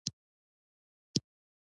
سلامونه ښه راغلاست